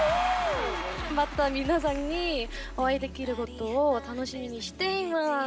また皆さんにお会いできることを楽しみにしています。